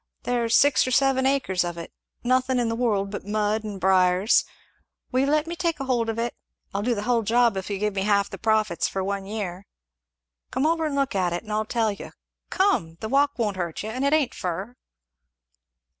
There's six or seven acres of it nothin' in the world but mud and briars will you let me take hold of it? I'll do the hull job if you'll give me half the profits for one year. Come over and look at it, and I'll tell you come! the walk won't hurt you, and it ain't fur."